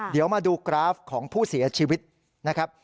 เดี๋ยวมาดูกราฟของผู้เสียชีวิตนะครับ